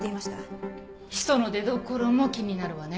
ヒ素の出どころも気になるわね。